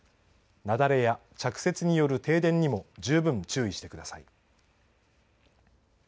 雪崩や着雪による停電にも十分注意してください。